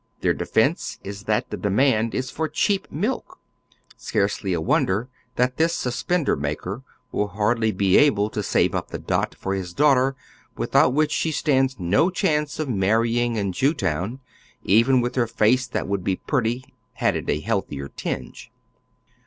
Their defence is that the demand is for " cheap milk." Scarcely a wonder tliat this suspender maker will hardly be able to save up the dot for hie daughter, without which siie stands no cliauce of marrying in Jewtown, even with her face that would be pretty had it a healthier tinge.